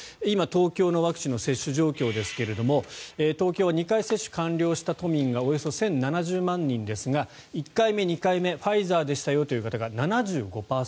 今、東京のワクチンの接種状況ですが東京は２回接種完了した都民がおよそ１０７０万人ですが１回目、２回目ファイザーでしたよという方が７５％。